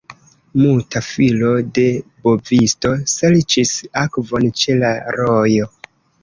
Muta filo de bovisto serĉis akvon ĉe la rojo.